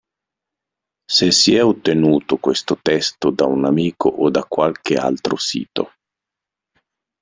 Se si è ottenuto questo testo da un amico o da qualche altro sito.